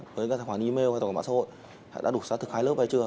với các tài khoản email hay tài khoản mã xã hội đã đủ xác thực hai lớp hay chưa